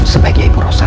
sebagai ibu rosa